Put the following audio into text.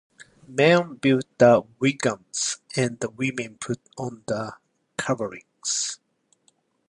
Men built the wigwams and the women put on the coverings.